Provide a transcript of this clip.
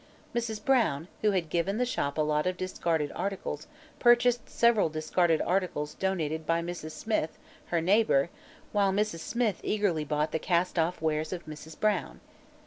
Mrs. Brown, who had given the Shop a lot of discarded articles, purchased several discarded articles donated by Mrs. Smith, her neighbor, while Mrs. Smith eagerly bought the cast off wares of Mrs. Brown.